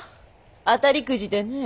当たりくじでね。